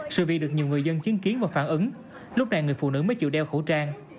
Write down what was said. sự việc được nhiều người dân chứng kiến và phản ứng lúc này người phụ nữ mới chịu đeo khẩu trang